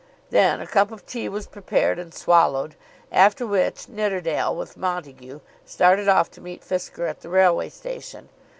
Then a cup of tea was prepared and swallowed; after which Nidderdale, with Montague, started off to meet Fisker at the railway station.